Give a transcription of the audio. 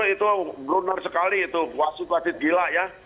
itu benar sekali itu wasit wasit gila ya